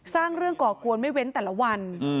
สร้างเรื่องก่อกวนไม่เว้นแต่ละวัน